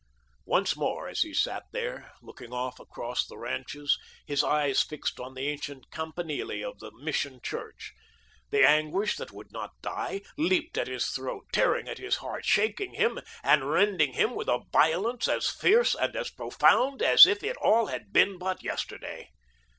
Once more, as he sat there, looking off across the ranches, his eyes fixed on the ancient campanile of the Mission church, the anguish that would not die leaped at his throat, tearing at his heart, shaking him and rending him with a violence as fierce and as profound as if it all had been but yesterday.